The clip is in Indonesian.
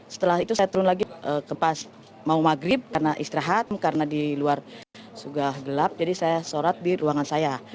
setelah itu saya turun lagi ke pas mau maghrib karena istirahat karena di luar sudah gelap jadi saya sholat di ruangan saya